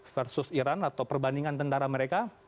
versus iran atau perbandingan tentara mereka